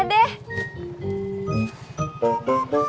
tidak ada yang nambah nay